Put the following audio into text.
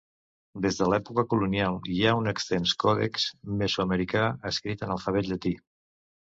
Des de l'època colonial hi ha un extens còdex mesoamericà escrit en alfabet llatí.